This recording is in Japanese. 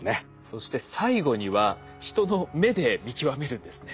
そして最後には人の目で見極めるんですね。